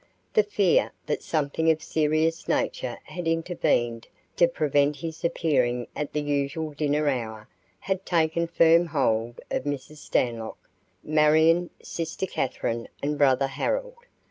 The fear that something of serious nature had intervened to prevent his appearing at the usual dinner hour had taken firm hold of Mrs. Stanlock, Marion, sister Kathryn, and brother Harold.